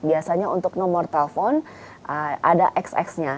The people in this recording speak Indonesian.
biasanya untuk nomor telepon ada xx nya